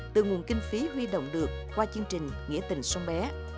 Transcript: từ nguồn kinh phí huy động được qua chương trình nghĩa tình sông bé